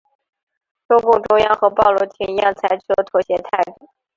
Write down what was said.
中共中央和鲍罗廷一样采取了妥协态度。